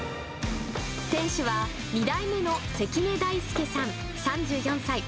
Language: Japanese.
店主は２代目の関根大介さん３４歳。